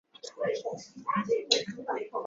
截基鸭绿乌头为毛茛科乌头属下的一个变种。